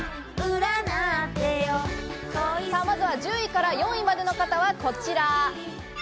まずは１０位から４位までの方はこちら。